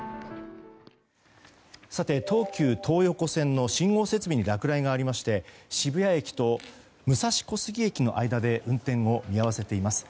東急東横線の信号設備に落雷があり渋谷駅と武蔵小杉駅の間で運転を見合わせています。